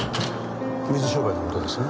水商売の事ですね。